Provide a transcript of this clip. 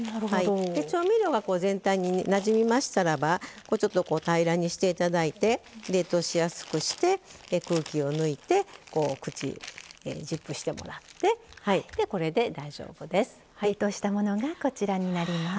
調味料が全体になじみましたらばちょっと平らにしていただいて冷凍しやすくして、空気を抜いて口、ジップしてもらってこれで大丈夫です。